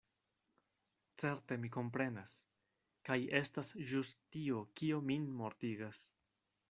Certe mi komprenas: kaj estas ĵus tio, kio min mortigas.